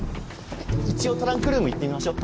一応トランクルーム行ってみましょ。